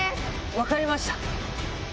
分かりました。